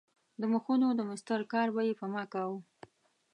د مخونو د مسطر کار به یې په ما کاوه.